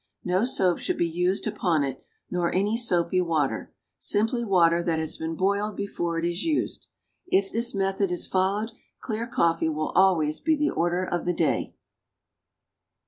No soap should be used upon it, nor any soapy water; simply water that has been boiled before it is used. If this method is followed, clear coffee will always be the order of the day.